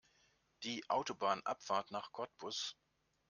Die Autobahnabfahrt nach Cottbus